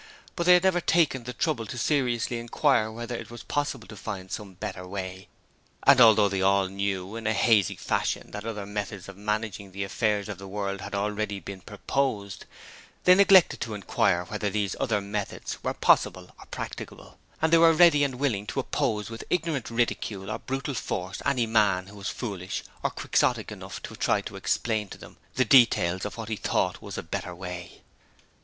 But they had never taken the trouble to seriously inquire whether it was possible to find some better way, and although they all knew in a hazy fashion that other methods of managing the affairs of the world had already been proposed, they neglected to inquire whether these other methods were possible or practicable, and they were ready and willing to oppose with ignorant ridicule or brutal force any man who was foolish or quixotic enough to try to explain to them the details of what he thought was a better way.